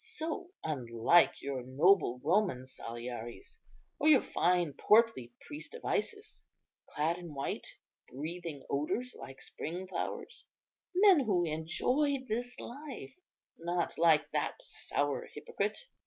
So unlike your noble Roman Saliares, or your fine portly priest of Isis, clad in white, breathing odours like spring flowers; men who enjoyed this life, not like that sour hypocrite.